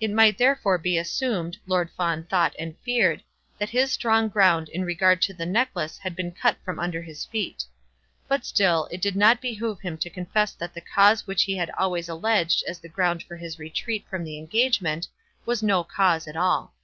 It might therefore be assumed, Lord Fawn thought and feared, that his strong ground in regard to the necklace had been cut from under his feet. But still, it did not behove him to confess that the cause which he had always alleged as the ground for his retreat from the engagement was no cause at all.